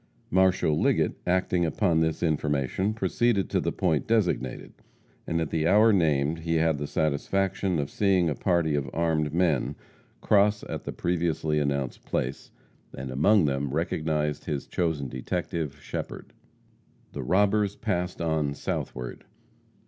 Marshal Liggett, acting upon this information, proceeded to the point designated, and at the hour named he had the satisfaction of seeing a party of armed men cross at the previously announced place, and among them recognized his chosen detective, Shepherd. The robbers passed on southward.